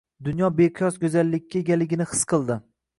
Dunyo beqiyos goʻzallikka egaligini his qildi